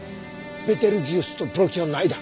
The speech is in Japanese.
ベテルギウスとプロキオンの間！